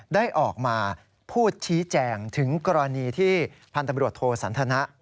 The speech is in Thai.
ได้ออกมาพูดชี้แจงถึงกรณีที่พันธบรวจโทสันทนะ